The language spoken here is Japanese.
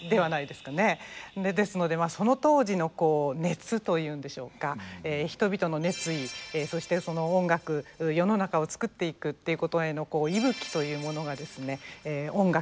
ですのでまあその当時の熱と言うんでしょうか人々の熱意そしてその音楽世の中をつくっていくっていうことへの息吹というものがですね音楽